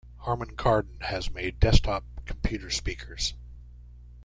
Harman Kardon has made desktop computer speakers.